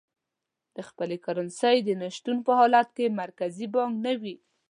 د خپلې کرنسۍ د نه شتون په حالت کې مرکزي بانک نه وي.